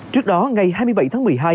trước đó ngày hai mươi bảy tháng một mươi hai